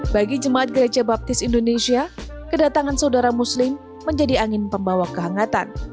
bagi jemaat gereja baptis indonesia kedatangan saudara muslim menjadi angin pembawa kehangatan